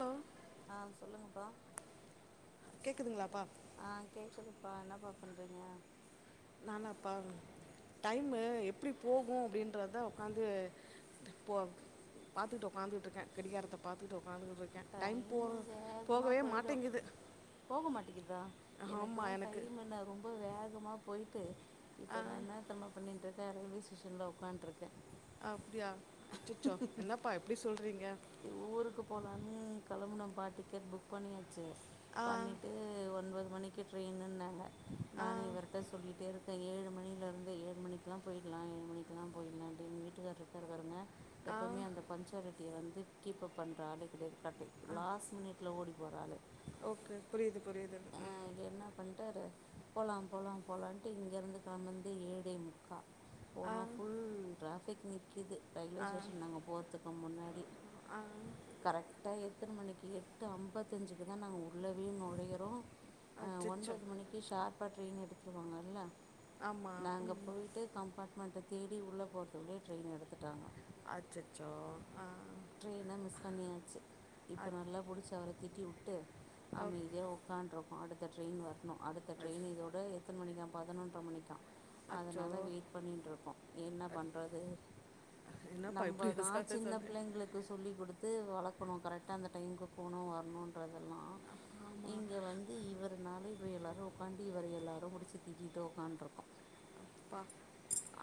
Hello ஆ சொல்லுங்கப்பா கேக்குதுங்களாப்பா ஆ கேக்குதுப்பா என்னப்பா பண்றீங்க நானாப்ப டைம்மு எப்டி போகும் அப்படின்றத உக்காந்து போ பாத்துட்டு உ்க்காந்துட்டு இருக்கேன் கெடிகாரத்த பாத்துட்டு உக்காந்துட்டு இருக்கேன் டைம் டைமு போற வேகமாக போகவே போயிடும் மாட்டேங்கிது போக மாட்டேங்குதா ஆமா எனக்கு போய்ட்டு ஆ இப்ப நான் என்னதெரிமா பண்ணிட்ருக் ரயில்வே ஸ்டேஷன்ல் உக்கான்ட்டு இருக்கேன் அப்டியா அச்சச்சோ என்னப்பா இப்டி சொல்றீங்க ஊருக்கு போலாம்னு கெளம்புனம்பா டிக்கெட் புக் பண்ணி ஆ பண்ணீட்டு ஒன்பது மணிக்கு ட்ரெயின்னுனங்க ஆ நானும் இவர்ட்ட சொல்லிட்டே இருக்கே ஏழு மணிலேருந்து ஏழு மணிக்கெலாம் போயிடலாம் ஏழு மணிக்கெலாம் போயிடலாம்னு எங்க வீட்டுக்காரர் இருக்காரு பாருங்க ஆ எப்பவுமே அந்த பஞ்சுவாலிட்டி அப்டியே வந்து கீப்பப் பண்ற ஆளுகளுக் அட் ஆ லாஸ் மினிட்ல ஓடி ஒரு ஆளு ஓகே புரியுது புரியுது ம் போலா போலா போலான்ட்டு இங்கேருந்து கெளம்பந்தே ஏழே முக்கா ஆ போனா ஃபுல் ட்ரா பிக்னிக் கிது ரயில்வே ஆ ஸ்டேஷன் நாங்க போற்துக் அ முன்னாடி ஆ கரெக்டா எ எத்தன மணிக்கு எட்டு ஐம்பத்தஞ்சிக்கு தா நாங்க உள்ளவே நோழயிறோ அச்சோ ஒன்பது மணிக்கு ஷார்ப ட்ரெயின் எடுத்துருவாங்கல ஆமாம் நாங்க ம் போய்ட்டு கம்பார்மெண்ட் அத தேடி உள்ள போறதுக்குள்ளேயே ட்ரெயின் எடுத்து டா அச்சோ ஆ ட்ரெயின் அ மிஸ் பண்ணியாச்சு இப்ப அச்- நல்லா புடிச்ச அவர் திட்டி உட்டு அப்- அமைதியா உ [unintelligible] இருப்போ அடுத்த ட்ரெயின் வர னு அடுத்த அச்- ட்ரெயின் இதோட எத்தன மணிக்கா பதினொன்ற மணிக்கா அச்சோ அதனால வெயிட் பண்ணிட் இருக்கோ என்ன அ- பண்றது என்னப்பா இப்படி நம்மதா சின்ன சொன்னேன் பிள்ளைங்ளுக்கு சொல்லி கொடுத்து வளக் போனோ கரெக்டா அந்த டைம்க்கு போனோ வரனோன்ற தெல்லா ஆமாம் இங்கே வந்து இவருனாள இப்போ எல்லாரு உக்காந்தி இவர எல்லாரு புடிச்சி திட்டிட்டு உக்காண்ருக்கோ ப்ப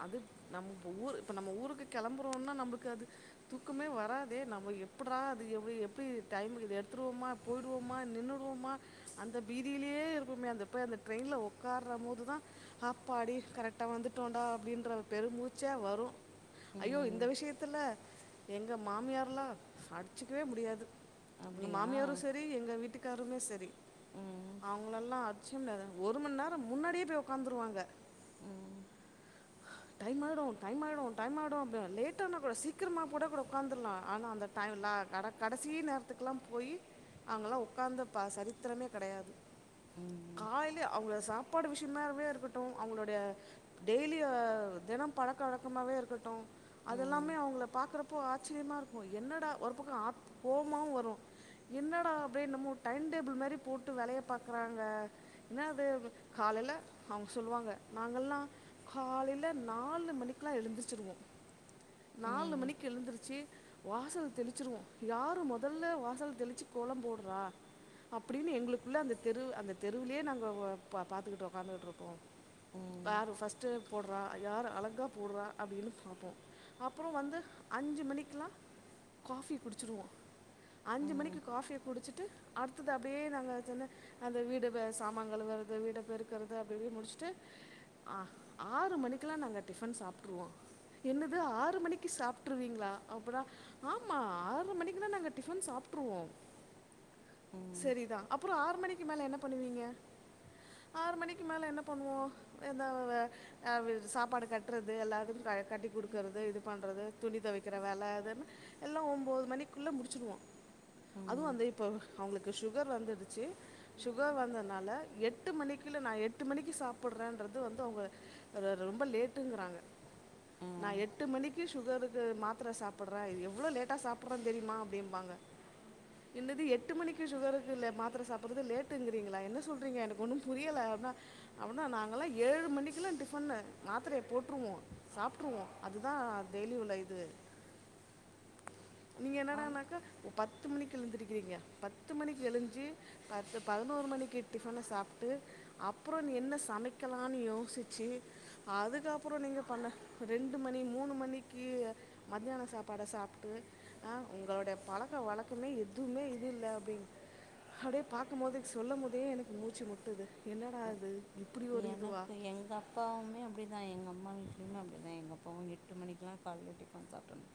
அது நம்ப ஊர் இப்ப நம்ப ஊருக்கு கெளம்புறோனா நமக்கு அது தூக்கமே வராதே நம்ம எப்புட்ரா அது எவு எப்டி டைம்கு இது எடுத்துவோமா போய்டுவோமா நின்னுடுவோமா அந்த பீதிலேயே இருக்குமே அந்த பேய் அந்த ட்ரெயின்ல உக்காற போதுதா ஆப்பாடி கரெக்ட் கிட்ட வந்துட்டோடா அப்டின்ற பெருமூச்சே வரு ஐயோ ம் இந்த விஷயத்துல எங்க மாமியார்லா அடிச்சுக்கவே முடியாது எங்க அப்படியா மாமியாரு செரி எங்க வீட்டுக் க்காருமே சரி ம் அவங்களலா அச்சி முடியாது ஒரு மணி நேரோ முன்னாடியே போய் உக்காந்துருவாங்க ம் டைம் அய்டோ டைம் அய்டோ டைம் அய்டோ அப்டிலா லேட்ட ஆன கூட சீக்கிரமா கூட கூட உக்காந்துரலா ஆனா அந்த டைலா கட கடசீ நேரத்துக்கெல்லா போய் அவங்கல்லா உக்காந்து ப சரித்திரமே கடையாது ம் காலைலயே அவங்கள சாப்பாடு விஷயமாவே இருக்கட்டோ அவங்களுடைய டெய்லி ஆ தெனோ பழக்க வழக்கமாவே இருக்கட்டோ ம் அது ம் எல்லாமே அவங்கள பாக்கறப்போ ஆச்சரியமா இருக்கோ என்னடா ஒரு பக்க ஆத் கோமாவு வரோ என்னடா அப்டே என்னமோ டைம்டேபிள் மாரி போட்டு வேலைய பாக்குறாங்க என்னது காலைல அவங்க சொல்லுவாங்க நாங்கல்லா காலில நாலு மணிக்கலா எழுந்துச்சிருவோ நாலு மணிக்கு எழுந்துருச்சு வாசல் தெளிச்சிருவோ யாரு மொதல்ல வாசல் தெளிச்சு கோலோ போட்றா அப்டின்னு எங்ளுக்குள்ள அந்த தெருவு அந்த தெருவ்லே நாங்க வ பா பாத்துகிட்டு ஒக்காந்துகிட்ரிப்போ ம் பாரு ஃபஸ் து போடுறா யாரு அழகா போடுறா அப்டின்னு பாப்போ அப்றோ வந்து அஞ்சு மணிக்குலா காஃபி குடிச்சுடுவோ அஞ்சு மணிக்கு காஃபியை குடிச்சிட்டு அடுத்தது அப்டியே நாங்க து என்ன அந்த வீடு வே சாமா கழுவ அத வீட பெருக்குறது அப்டிப்பீ முடிச்ட்டு அ ஆறு மணிக்குலா நாங்க டிஃபன் சாப்ட்ருவோ. என்னது ஆறு மணிக்கு சாப்ட்ருவீங்ளா? அப்றோ ஆமா ஆறு மணிக்குலா நாங்க டிஃபன் சாப்ட்ருவோ. ம் சரி தா அப்பறோ ஆறு மணிக்கு மேலே என்ன பண்ணுவீங்க ஆறு மணிக்கு மேல என்ன பண்ணுவோ எதா வே அவரு சாப்பாடு கட்றது எல்லாத்துக்கு க கட்டி குடுக்கறது இது பண்றது துணி தொவைக்கற வேல அதுன்னு எல்லா ஒம்போது மணிக்குள்ள முடிச்சிர்வோ, அதுவு ம் வந்து இப்ப அவங்ளுக்கு சுகர் வந்துடுச்சு. சுகர் வந்தனால எட்டு மணிக்குள்ள நா எட்டு மணிக்கு சாப்பட்றேன்றது வந்து அவங்க அத ரொம்ப லேட்டுங்கறாங்க. நா ம் எட்டு மணிக் க்கு சுகருக்கு மாத்திர சாப்பட்ற இ, எவ்ளோ லேட்டா சாப்பட்ற தெரியுமா அப்டிப்பாங்க. என்னது எட்டு மணிக்கு சுகருக்கு ல மாத்தர சாப்பட்றது லேட்டுங்கறீங்களா? என்ன சொல்றீங்க எனக்கு ஒன்னு புரியல அப்னா அப்பிட்னா நாங்கல்லா ஏழு மணிக்குலா டிஃப் பண்ணு மாத்திரய போட்ருவோ, சாப்ட்டுருவோ அதுதா டெய்லி உள்ள இது நீங்க ஆ என்னடானாக்க ஒ பத் பத்து மணிக்கு எழுந்திருக்கிறீங்க. பத்து மணிக்கு எழுஞ்சு பத்து பதினோரு மணிக்கு டிஃபன சாப்ட்டு, அப்றோ நீ என்ன சமைக்கலான்னு யோசிச்சு அதுக்கப்றோ நீங்க பண்ண ரெண்டு மணி மூணு மணிக்கு மதியான சாப்பாட சாப்ட்டு ஆஹ் உங்களுடைய பழக்க வழக்கமே எதுமே இது இல்ல அப்டின் அப்டியே பாக்கும் போது சொல்லம்போதே எனக்கு மூச்சு முட்டுது. என்னடா இது இப்படி ஒரு இதுவா எனக்கு எங்க அப்பாவுமே அப்டி தா எங்கம்மா வீட்லயுமே அப்டி தா எங்க அப்பாவு எட்டு மணிக்குலா காலைல டிஃபன் சாப்ட்றனு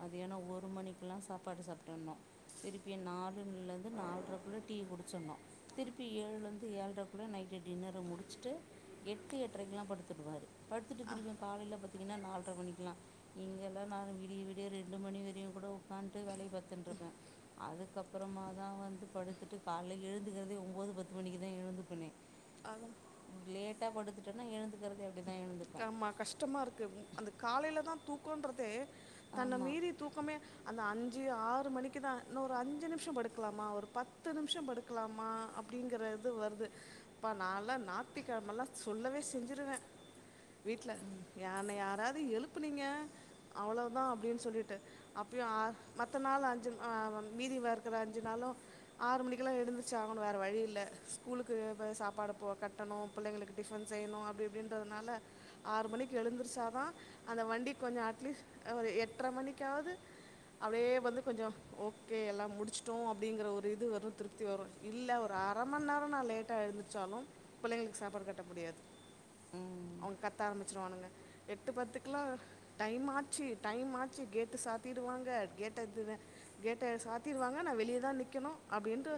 மதியானோ ஒரு மணிக்குலா சாப்பாடு சாப்ட்றணு. திருப்பியு நாலுலருந்து நால்ரக்குள்ளே டீ குடிச்சடணு. திருப்பி ஏழ்லந்து ஏழ்ரக்குள்ள நைட்டு டின்னர முடிச் ட்டு எட்டு எட்ரைக்குலா படுத்துருவாரு. படுத்துட்டு திருப்பியு காலைல பத் தீங்கனா நால்ர மணிக்குலா இங்கெல்லா நா விடிய விடிய ரெண்டு மணி வரையு கூட உக்காந்ட்டு வேலய பாத்துன்ருப்பே. அதுக்கப்றமா தா வந்து படுத்துட்டு கால்ல எழுந்துக்கறதே ஒம்போது பத்து மணிக்கு தா எழுந்துப்பனே. ஆமம் லேட்டா படுத்துட்டன்னா எழுந்துக்கறது [unintelligible] ஆமா கஷ்டமாருக்கு. ம் அந்த காலேலதா தூக்கோன்டறது தன்ன ஆமா மீறி தூக்கமே அந்த அன் ஞ்சு ஆறு மணிக்கு தா இன்னோரு அஞ்சு நிம்ஷோ படுக்லாமா ஒரு பத்து நிம்ஷோ படுக்லாமா அப்டிங்கற இது வருது. ப்பா நால்லா நாத்திக்கெழமெல்லா சொல்லவே செஞ்சிருவ. வீட்ல ம் யான யாராத் து எழுப்புனீங்க அவ்ளவ்தா அப்டின் சொல்லிட்டு. அப்பயு ஆ மத்த நாளு அஞ்சு அ மீதி வாரத்துல அஞ்சு நாளு, ஆறு மணிக்கெல்லா எழுந்துர்ச்சு ஆகணு, வேற வழி இல்ல. ஸ்கூலுக்கு ப சாப்பாடு போ கட்டணு, புள்ளைங்களுக்கு டிஃபன் செய்யணு அப்டி இப்டின்றதுனால ஆறு மணிக்கு எழுந்திருச்சாதா அந்த வண்டி கொஞ்சோ அட்லீஸ்ட் ஒரு எட்ர மணிக்காவது அப்டியே வந்து கொஞ்சோ ஓகே எல்லா முடிச்சுட்டோ. அப்டிங்கற ஒரு இது வரு திருப்தி வரு. இல்ல ஒரு அர மண்நேரோ நா லேட்டா எழுந்துச்சாலு புள்ளைங்களுக்கு சாப்பாடு கட்ட முடியாது. ம் அவுங் கத்த ஆரம்பிச்சுருவானுங்க. எட்டு பத்துக்குலா டைம் ஆச்சு டைம் ஆச்சு கேட்டு சாத்திடுவாங்க கேட்ட இது வே கேட்ட சாத்திருவாங்க, நா வெளிய தா நிக்கணு அப்டின்ட்டு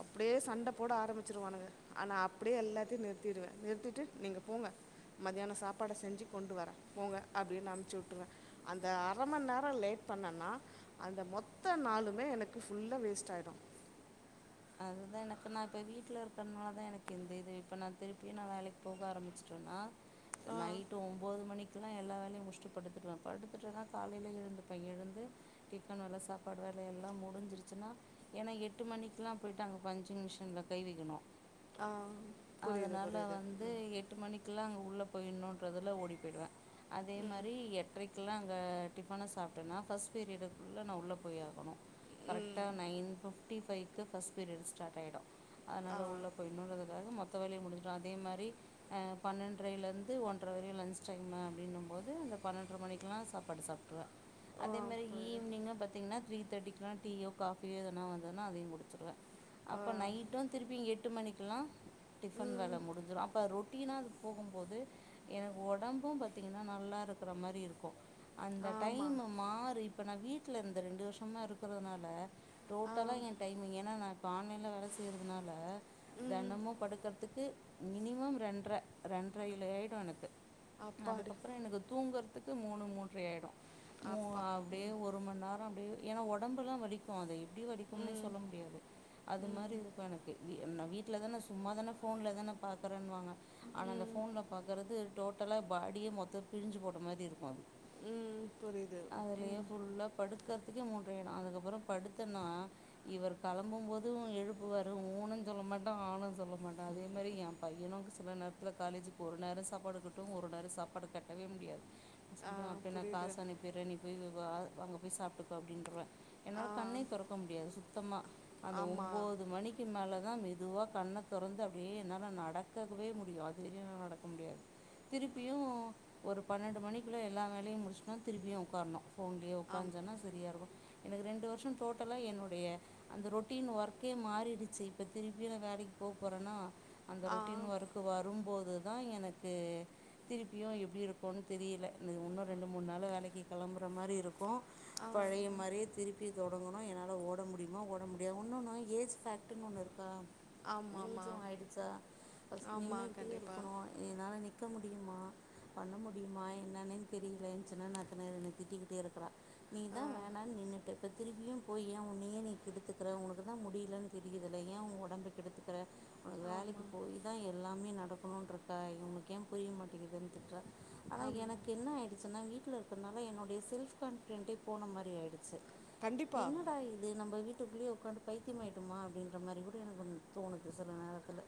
அப்டியே சண்ட போட ஆரம்பிச்சுருவானுங்க. ஆனா அப்டியே எல்லாத்தயு நிறுத்திடுவே நிறுத்திட்டு நீங்க போங்க மத்யானோ சாப்பாட செஞ்சு கொண்டு வர போங்க அப்டினு அம்ச்சு வுட்டுருவ. அந்த அர மண் நேரோ லேட் பண்ணன்னா அந்த மொத்த நாளுமே எனக்கு ஃபுல்லா வேஸ்ட் ஆயிடு. அது தா எனக்கு நா இப்ப வீட்ல இருக்கற்னால தா எனக் இந்த இது இப்ப நா திருப்பியு நா வேலைக் போக ஆரம்பிச்சுட்டன்னா நைட்டு ஒம்போது மணிக் க்குலா எல்லா வேலயு முடிச்ட்டு படுத்துருவே. படுத்துட்டன்னா காலைல எழுந்துப்ப எழுந்து டிஃபன் வேல சாப்பாடு வேல எல்லா முடிஞ்சிருச்சுன்னா ஏனா எட்டு மணி க்லா போய்டாங்க. பஞ்சிங் மிஷின்ல கைவைக்கணு. புரியுது அதனால புரியுது வந்து ம் எட்டு மணிக்கெல்லா அங்க உள்ள ப்ப இன்னோன்றதுல ஓடி போயிடுவ. அதே மாரி எட்ரைக்கெல்லா அங்க டிஃபன சாப்டனா ஃபஸ்ட் பீரியடுக்குள்ள நா உள்ள போயாகணு. கரக்ட்டா நைன் ஃபிப் டி ஃபை கு ஃபஸ்ட் பீரியட் ஸ்டார்ட் ஆயிடு அதனால உள்ள போயிட்னுன்றதுக்காக மொத் த்தவலையு முடிச்சுரு. அதே மாரி அ பன்னெண்டரேலேந்து ஒன்றர வரையு லன்ச் டைமு, அப்டின்னுபோது அந்த பன்னண்டர மணிக்லா சாப்பாடு சாப் ஆ, அதே மாரி புரியுது ஈவினிங் பாத்தீங்கன்னா த்ரீ தேர்ட்டி இலாம் டீயோ காஃபியோ என வந்தன்னா அதையும் கொடுத்து மற்ற ஆ, அப்ப நைட்டும் திருப்பிங்க எட்டு மணிக்கு பாக்லா டிஃபன் ம் வேல முடிஞ்சிடு அப்ப ரெட் குட்டினா அது போகும்போது எனக்கு உடம்பும் பாத்தீங்கன்னா நல்லா இருக்குற மாரி இருக்கும் அந்த ஆமா டைம் மாறி இப்ப நா வீட் வீட்ல இந்த ரெண்டு வருஷமா இருக்கறதுனால ஆ டோட்டலா என் டைம் நான் இப்போ ஆன்லைன்ல வேல செய்றதுனால ம் தெனமும் படுக்கறதுக்கு மினிமம் ரெண்ர ரெண்ர ஆயிடு எனக்கு. அப்பாடு அதுக்கப்புறோ எனக்கு தூங்கற த்துக்கு மூணு மூன்றையாய்டு மு அப்பா அப்டியே ஒரு மணி நேரோ அப்டியே ஏன்னா உடம்புல்லா வடலிக்கூ அத எப்படி வலிக்குன்னே சொல்ல முடியாது அது மாரி இருக்கூ எனக்கு நா வீட்ல தானே நான் சும்மா தானே ஃபோனல தானே பாக்குறன்னுவாங்க ஆனா அந்த ம் ஃபோனில பாக்கறது டோட்டலா பாடியே மொத்தமா பிஞ்சு போட்ட மாரி இருக்கும். அது ம் புரியுது அதுலயே ம் ஃபுல்லா படுக்க அதுக்கு மூன்ரையயிடும் அதுக்கப்புறோ படுத்தனா இவர் கிளம்பும் போதும் எழுப்பு வாரு ஊன்னு சொல்ல மாட்டே ஆன்னு சொல்ல மாட்டே. அதே மாரி என் பையனும் சில நேரத்தில காலேஜுக்கு ஒரு நேரோ சாப்பாடு கட்டுவே ஒரு நேரோ சாப்பாடு கட்டவே முடியாது ஆ சொல்றே அப்ப நா புரியுது காசு அனைப்பற நீ போய் வா அங்க போய் சாப்புட்டுக்கோ அப்டின்றவே என்னால ஆ கண்ணை துறக்க முடியாது சுத் சுத்தமா அந்த ஆமா ஒன்போது மணிக்கு மேல அதான் மெதுவாக கண்ண திறந்து அப்டியே என்னால நடக்கவே முடியு அதுவெறியு நடக்க முடியாது திருப்பியு ஒரு பன்னெண்டு மணிக்குள்ள எல்லா வேலையு முடிச்சுட்டனா திருப்பியு உக்கார்ணு ஃபோன்லே ஆம் உக்காஞ்சன்னா செரியா இருக்கூ எனக்கு ரெண்டு வருஷோ டோட்டலாக என்னுடைய அந்த ரொட்டீன் ஒர்க்கே மாறிடுச்சு இப்ப திருப்பியு நா வேலைக்கு போ போறன்னா அந்த ஆ ரெட்டீன் வர்கு வரும்போது அது தா எனக்கு திருப்பியு எப்டி இருக்குனு தெரியல இந்த இன்னு ரெண்டு மூணு நாள்ள வேலைக்கு கிளம்புற மாரி இருக்கூ ஆ பழைய மாரியே திருப்பி தொடங்கணு என்னால ஓட முடியும் ஓட முடியா உன்னெனா ஏஜ் ஃபேக்ட்னு ஒன்னு இருக்கா? ஆமாம் ஏஜும் ஆமாம் ஆயிடுச்சா ஆமாம் நின்னுறுகிட்டே கண்டிப்பாக இருக்கணு என்னால நிக் இருக்க முடியுமா பண்ண முடியுமா என்னன்னு தெரியல எஞ்சின்ன நாத்னாறு என்ன திட்டிட்டே இருக்குறா நீ தா ஆ வேணாம்னு நின்னுட்டு இப்போ திரும்பியும் போய் ஏன் உன்னய நீ எடுத்துக்கிறவுங்குளுக்கு தா முடியலைன்னு தெரியுதுல்ல ஏ ஊ ஒடம்ப கெடுத்துக்கிற உனக்கு வேலைக்கு ஆமாம் போய் தா எல்லாமே நடக்கணுன்னு இருக்கா உனக்கு ஏன் புரிய மாட்டேங்கிதுன்னு திட்டுறா ஆனா ஆம் எனக்கு என்ன ஆயிடுச்சுன்னா வீட்டு வீட்டுல இருக்கிறனால என்னுடய செல்ஃப் கான்பிடெண்டே போன மாரி ஆயிடுச்சு கண்டிப்பாக என்னடா இது நம்ம வீட் வீட்டுக்குள்ளயே உக்காந்து பைத்தியமாய்ட்டுமா அப்டின்ற மாரி கூட எனக்கு தோணுது சில நேரத்தில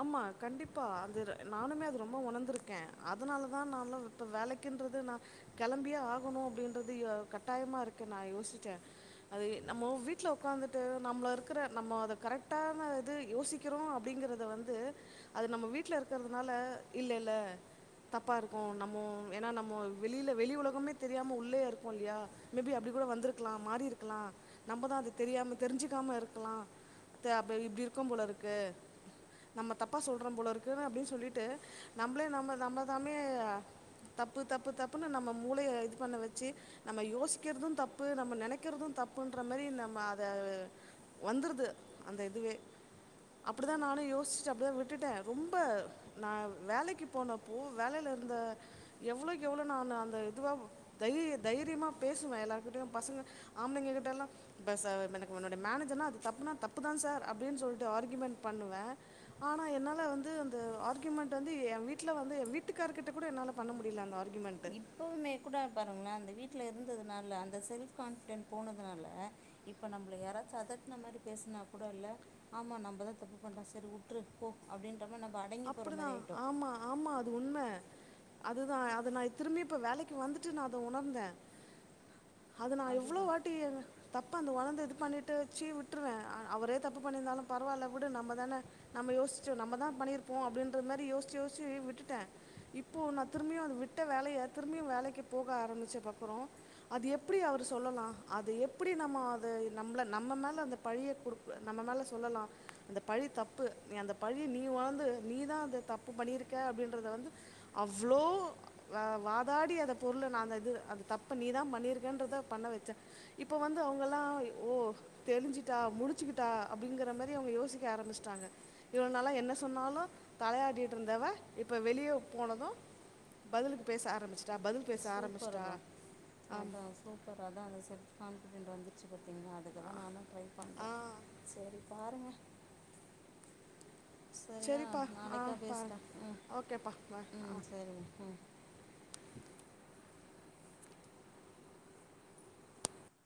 ஆமா கண்டிப்பா அந்த நானுமே அது ரொம்ப ஒணர்ந்திருக்கே அதுனாலதா நான்லா இப்ப வேலைக்குன்றது நா கெளம்பியே ஆகணு அப்டின்றது கட்டாயமா இருக்கே நா யோசிச்சே அது நம்மோ வீட்ல உக்காந்துட்டு நம்ள இருக்குற நம்ம அத கரெக்டான இது யோசிக்கிறோ அப்டிங்கிறத வந் து அது நம்ம வீட்ல இருக்குறதுனால இல்ல இல்ல தப்பா இருக்கு நம்மோ ஏனா நம்மோ வெளில வெளி உலகமே தெரியாம உள்ளயே இருப்போ இல்லியா மேபி அப்டி கூட வந்திருக்லா மாறி இருக்குலா நம்மதா அது தெரியாம தெரிஞ்சுக்காம இருக்லா த அப்பே இப்டி இருக்கும் போல இருக்கு நம்ம தப்பா சொல்றோ போல இருக்குன்னு அப்டின் சொல்லிட்டு நம்ளே நம்ம தம்ம தாமே தப்பு தப்பு தப்புன்னு நம்ம மூளைய இது பண்ண வச்சு நம்ம யோசிக்கிற்து தப்பு நம்ம நெனைக்கிற்து தப்புன்ற மாரி நம்ம அத வந்துற்து அந்த இதுவே அப்டிதா நானு யோஸ் ச்சு அப்டிதா விட்டுட்ட ரொம்ப நா வேலைக்கு போனப்போ வேலேல இருந்த எவ்ளோய்க்கு எவ்ளோ நானு அந்த இதுவா தைரிய தைரியமா பேசுவே எல்லார்கிட்டியு பசுங்க ஆம்ளைங்க கிட்டலா வெச எனக்கு உன்னுடைய மேனஜர்னா அது தப்புனா தப்புதான் சார் அப்டின் சொல்ட்டு ஆர்க்யுமண்ட் பண்ணுவ ஆனா என்னால வந்து அந்த ஆர்க்யுமெண்ட் வந்து எ வீட்ல வந்து எ வீட்டுக்கார்கிட்ட கூட என்னால பண்ண முடில அந்த ஆர்கியூமெண்ட்டு இப்பவுமே கூட பாருங்ளா அந்த வீ ட்ல இருந்ததுனால அந்த செல்ப் கான்ஃபிடென் போனதுனால இப்ப நம்ள யாராச்சு அதட்ன மாரி பேஸ்னா கூட இல்ல ஆமாமாம் அங்க தா தப்பு பண்றோ சரி உட்ரு போ அப்டின் அப்டிதா ஆமா ஆமா அது உண்ம அதுதா அது நா திரும்பி இப்ப வேலைக்கு வந்துட்டு நா அத உணர்ந்த அது நா எவ்ளோ அதுதான் வாட்டி அந்த தப்ப அந்த வளந் இது பண்ணிட்டு வச்சு விட்ருவே அ அவரே தப்பு பண்ணிர்ந்தாலு பரவால்ல வுடு நம்மதான நம்ம யோச்சு நம்ம தா பண்ணிர் போ அப்டின்ற மாரி யோச்சு யோச்சு விட்டுட்ட இப்போ நா திரும்பியு விட்ட வேலய திரும்பியு வேலைக்கு போக ஆரம்பிச்ச கப்புறோ அது எப்டி அவரு சொல்லலா அது எப்பிடி நம்ம அது நம்ள நம்ம மேல அந்த பழிய குடுக்க நம்ம மேல சொல்லலா அந்த பழி தப்பு நீ அந்த பழி நீ வாந்து நீ தா அந்த தப்பு பண்ணிருக்க அப்டின்றத வந்து அவ்ளோ வா வாதாடி அத பொருள நான் இது அந்த தப்ப நீ தா பண்ணிருக்கன்றத பண்ண வச்ச இப்போ வந்து அவுங்கலா ஓ தெளிஞ்சிட்டா முழுச்சுக்கிட்டா அப்டிங்கிற மாரி அவுங்க யோசிக்க ஆரமிஸ்ட்டாங்க இவுளோ நாளா என்ன சொன்னாலு தலயாடிட்ருந்தவ இப்ப வெளியே போனது பதிலுக்கு பேச ஆரமிச் சூப்பருகா ஆம் அதா சூப்பர் அதா அந்த செல் கான்ஃபிடென்ட் வந்து வச்சு பாத்தீங்னா அதுக்கு தா நானு ட்ரை பண்ற ஆ செரி பாருங்க சரியா சரிப்பா ஆ நாளைக்கா பேசுற பாருங்க உம் ஓகேப்பா பா ஆ உம் சரிமா உம்